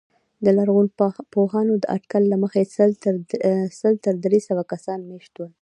د لرغونپوهانو د اټکل له مخې سل تر درې سوه کسان مېشت وو